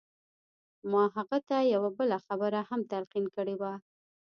ما هغه ته یوه بله خبره هم تلقین کړې وه